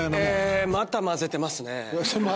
えまた混ぜてますね。